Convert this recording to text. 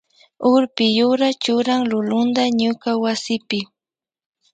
Urpi yura churan lulunta ñuka wasipi.